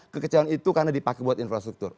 kekecewaan itu karena dipakai buat infrastruktur